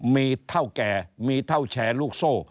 มีเท่าแก่มีเท่าแชร์ลูกโซ่